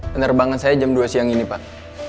penerbangan saya jam dua siang ini pak